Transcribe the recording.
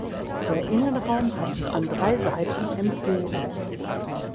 Der Innenraum hat an drei Seiten Emporen.